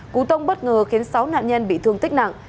cú tông bất ngờ khiến sáu nạn nhân bị thương tích nặng